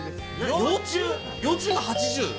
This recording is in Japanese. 幼虫が８０？